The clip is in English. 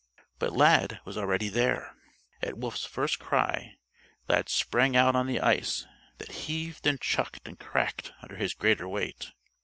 But Lad was already there. At Wolf's first cry, Lad sprang out on the ice that heaved and chucked and cracked under his greater weight.